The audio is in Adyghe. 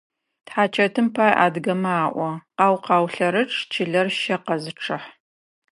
Тхьачэтым пай адыгэмэ alo: «Къау-къау лъэрычъ, чылэр щэ къэзычъыхь».